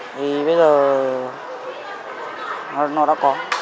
thì bây giờ nó đã có